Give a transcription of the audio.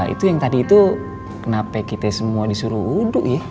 itu yang tadi itu kenapa kita semua disuruh uduk ya